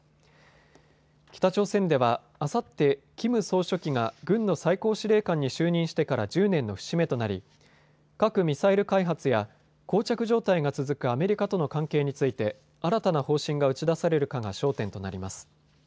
北朝鮮ではあさってキム総書記が軍の最高司令官に就任してから１０年の節目となり核・ミサイル開発やこう着状態が続くアメリカとの関係について新たな方針が打ち出されるかが焦点となります。